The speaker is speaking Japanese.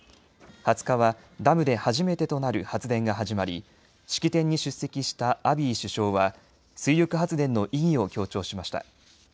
２０日はダムで初めてとなる発電が始まり、式典に出席したアビー首相は水力発電の意義を強調しました。